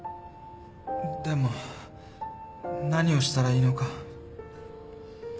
でも何をしたらいいのか。